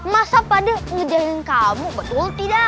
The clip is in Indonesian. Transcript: masa pak de ngejahitin kamu betul tidak